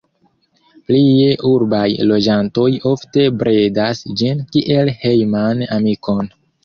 Plie urbaj loĝantoj ofte bredas ĝin kiel hejman amikon.